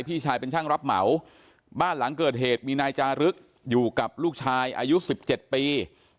พี่ชายเป็นช่างรับเหมาบ้านหลังเกิดเหตุมีนายจารึกอยู่กับลูกชายอายุ๑๗ปี